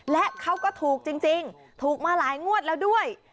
และเขาก็ถูกจริงถูกมาหลายงวดแล้วด้วย